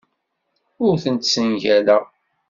Ur tent-ssengaleɣ.